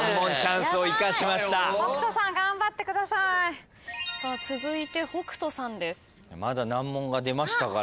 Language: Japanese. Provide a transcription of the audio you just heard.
まだ難問が出ましたからね。